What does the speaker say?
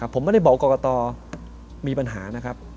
ผมไม่ได้บอกกรกตมีปัญหานะครับ